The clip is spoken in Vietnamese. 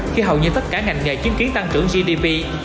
khi hầu như tất cả ngành nghề chứng kiến tăng trưởng gdp